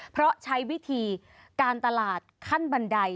เพราะใช้วิธีการตลาดขั้นบันได